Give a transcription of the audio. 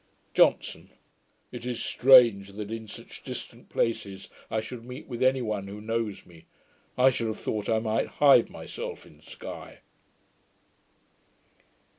JOHNSON. 'It is strange that, in such distant places, I should meet with any one who knows me. I should have thought I might hide myself in Sky.'